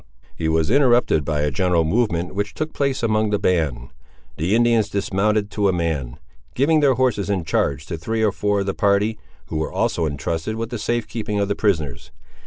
He was interrupted by a general movement which took place among the band. The Indians dismounted to a man, giving their horses in charge to three or four of the party, who were also intrusted with the safe keeping of the prisoners.